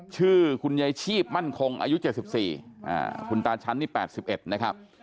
ชื่อคุณยายชีพมั่นคงอายุ๗๔คุณตาชั้นนี่๘๑นะครับ